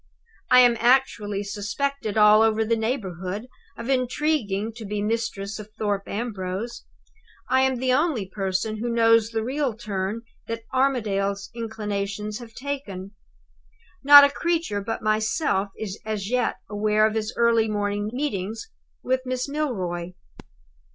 "I am actually suspected all over the neighborhood of intriguing to be mistress of Thorpe Ambrose. I am the only person who knows the real turn that Armadale's inclinations have taken. Not a creature but myself is as yet aware of his early morning meetings with Miss Milroy.